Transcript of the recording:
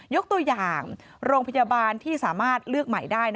ยกตัวอย่างโรงพยาบาลที่สามารถเลือกใหม่ได้